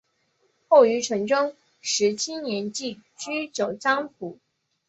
后于崇祯十七年寄居九江府。